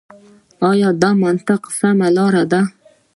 آيـا دا مـنطـقـي او سـمـه لاره ده.